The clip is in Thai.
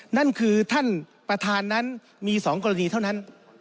นั่นคือท่านประธานนั้นมี๒กรณีเท่านั้น